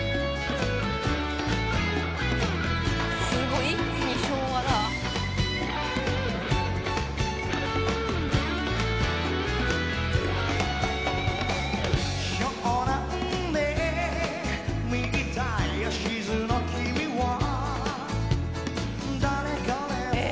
すごい一気に昭和だ。え！